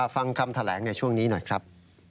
ฟังคำแถลงในช่วงนี้หน่อยครับ